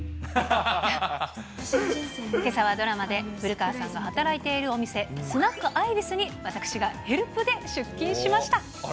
けさはドラマで古川さんが働いているお店、スナックアイビスに、私がヘルプで出勤しました。